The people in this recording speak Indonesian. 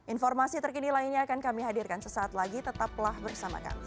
informasi terkini lainnya akan kami hadirkan sesaat lagi tetaplah bersama kami